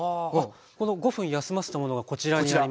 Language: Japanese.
この５分休ませたものがこちらになります。